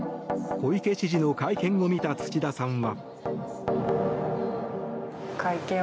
小池知事の会見を見た土田さんは。